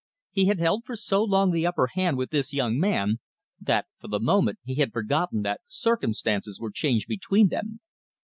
He had held for so long the upper hand with this young man that for the moment he had forgotten that circumstances were changed between them.